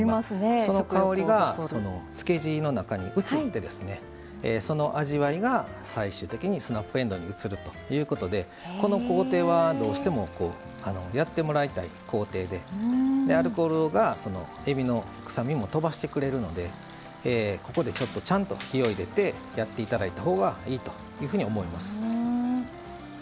その香りが、漬け地の中に移ってその味わいが最終的にスナップえんどうに移るということでこの工程は、どうしてもやってもらいたい工程でアルコールがえびの臭みもとばしてくれるのでここで、ちょっとちゃんと火を入れてやっていただいたほうがいいというふうに思います。